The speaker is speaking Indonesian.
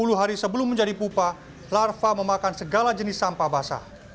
sepuluh hari sebelum menjadi pupa larva memakan segala jenis sampah basah